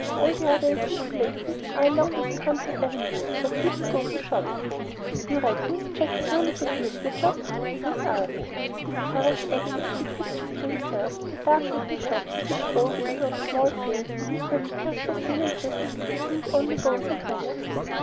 All the other antique places are along Wisconsin Avenue where people go to shop." "You reckon Jakey really could use the job?" Chris asked, his courage ebbing as he pictured to himself the dark little shop with its bow window of small panes, and Mr. Wicker, so thin and wizened he seemed only bones and wrinkles.